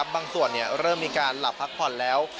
บางส่วนเริ่มมีการหลับพักผ่อนแล้ว